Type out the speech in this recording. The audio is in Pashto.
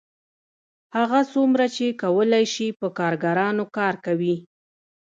هغه څومره چې کولی شي په کارګرانو کار کوي